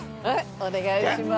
お願いします。